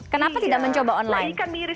kenapa tidak mencoba online